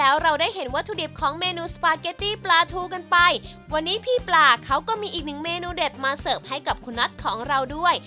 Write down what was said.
วันนี้พี่ปลาเขาก็มีอีกหนึ่งเมนูเด็ดมาเสิร์ฟให้กับคุณภรรย์ของเราด้วย